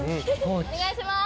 お願いします！